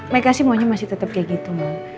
mereka sih maunya masih tetap kayak gitu